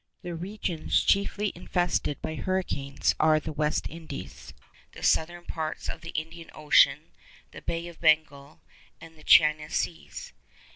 The regions chiefly infested by hurricanes are the West Indies, the southern parts of the Indian Ocean, the Bay of Bengal, and the China Seas.